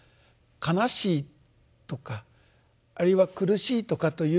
悲しいとかあるいは苦しいとかということ。